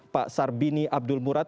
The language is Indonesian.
pak sarbini abdul murad